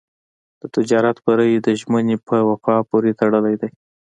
د تجارت بری د ژمنې په وفا پورې تړلی دی.